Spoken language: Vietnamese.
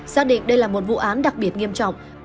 xác định đây là một vụ án đặc biệt nghiêm trọng